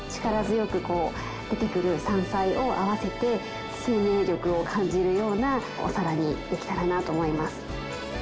力強く出てくる山菜を合わせて生命力を感じるようなお皿にできたらなと思います。